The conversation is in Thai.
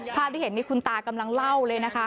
ภาพที่เห็นนี่คุณตากำลังเล่าเลยนะคะ